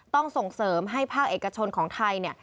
ต้องส่งเสริมให้ภาคเอกชนของไทย